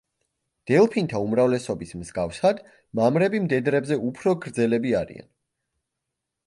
დელფინთა უმრავლესობის მსგავსად, მამრები მდედრებზე უფრო გრძელები არიან.